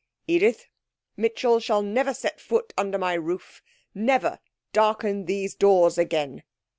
'Edith, Mitchell shall never set foot under my roof never darken these doors again!'